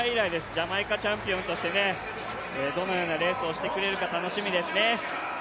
ジャマイカチャンピオンとしてどのようなレースをしてくれるか楽しみですね。